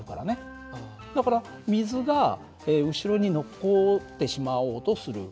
だから水が後ろに残ってしまおうとする。